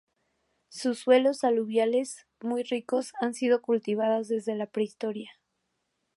Sus suelos aluviales muy ricos han sido cultivadas desde la Prehistoria.